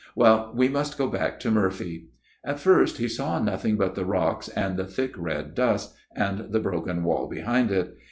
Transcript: " Well, we must go back to Murphy. At first he saw nothing but the rocks, and the thick red dust, and the broken wall behind it.